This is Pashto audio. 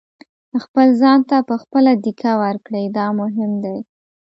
خپل ځان ته په خپله دېکه ورکړئ دا مهم دی.